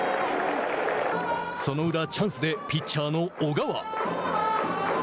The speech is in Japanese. その裏、チャンスでピッチャーの小川。